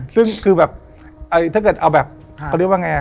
ซึ่งคือแบบถ้าเกิดเอาแบบเขาเรียกว่าไง